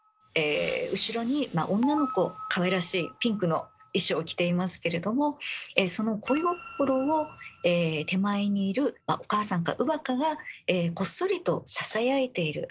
後ろに女の子かわいらしいピンクの衣装を着ていますけれどもその恋心を手前にいるお母さんか乳母かがこっそりとささやいている。